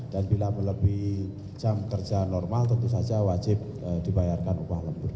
dan bila melebih jam kerja normal tentu saja wajib dibayarkan upah lembur